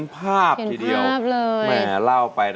ตามเข้าไป